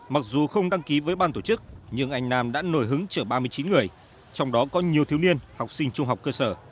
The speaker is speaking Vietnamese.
mặc dù không đăng ký với ban tổ chức nhưng anh nam đã nổi hứng chở ba mươi chín người trong đó có nhiều thiếu niên học sinh trung học cơ sở